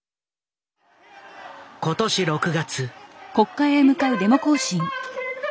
今年６月。